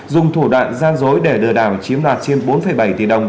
dùng thủ đoạn gian dối để lừa đảo chiếm đoạt trên bốn bảy tỷ đồng